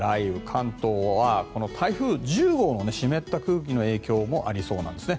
関東は台風１０号の湿った空気の影響もありそうなんですね。